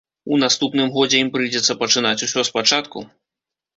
У наступным годзе ім прыйдзецца пачынаць усё спачатку?